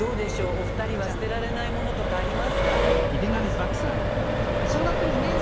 お二人は捨てられないものとかありますか？